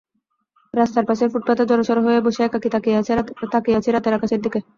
রাস্তার পাশের ফুটপাতে জড়সড় হয়ে বসে একাকী তাকিয়ে আছি রাতের আকাশের দিকে।